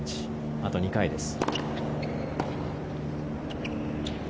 あと２回です。